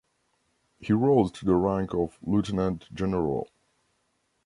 He rose to the rank of Lieutenant-General.